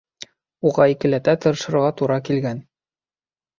Уға икеләтә тырышырға тура килгән.